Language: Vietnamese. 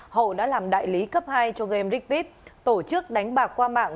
hậu đã làm đại lý cấp hai cho game rigvi tổ chức đánh bạc qua mạng